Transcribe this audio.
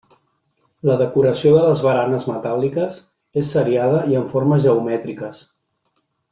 La decoració de les baranes metàl·liques és seriada i amb formes geomètriques.